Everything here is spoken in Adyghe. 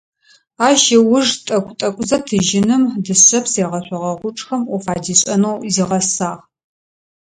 Ащ ыуж тӀэкӀу-тӀэкӀузэ тыжьыным, дышъэпс егъэшъогъэ гъучӀхэм Ӏоф адишӀэнэу зигъэсагъ.